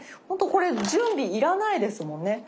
ほんとこれ準備いらないですもんね。